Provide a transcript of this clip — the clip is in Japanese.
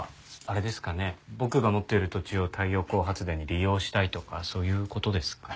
僕が持ってる土地を太陽光発電に利用したいとかそういう事ですかね？